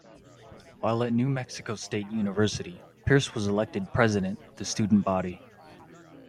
While at New Mexico State University, Pearce was elected president of the student body.